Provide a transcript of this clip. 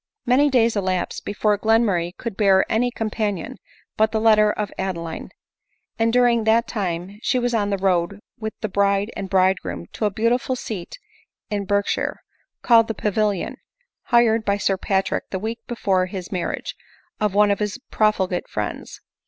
Many days elapsed before Glenmurray could bear any companion but the letter of Adeline ; and during that time she was on the road with the bride and bridegroom to a beautiful seat in Berkshire, called the Pavilion, hired by Sir Patrick the week before his marriage, of one of his profligate friends.